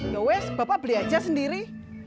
yowes bapak beli aja sendiri